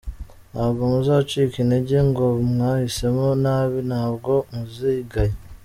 Ntabwo muzacika intege ngo mwahisemo nabi, ntabwo muzigaya.